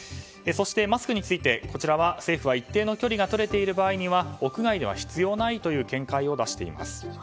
そしてマスクについてこちらは、政府は一定の距離がとれている場合には屋外では必要ないという見解を出しています。